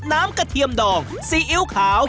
น้ำกระเทียมดองซีอิ๊วขาว